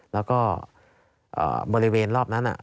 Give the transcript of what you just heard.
แล้วก็บริเวณรอบนั้น